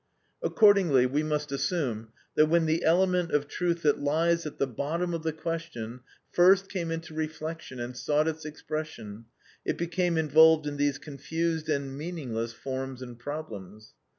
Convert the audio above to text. Accordingly, we must assume that when the element of truth that lies at the bottom of the question first came into reflection and sought its expression, it became involved in these confused and meaningless forms and problems.